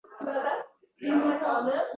Faqat soʻzlar kelar, xudoday tanho